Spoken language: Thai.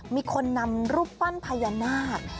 มีคนนำรูปปั้นพญานาค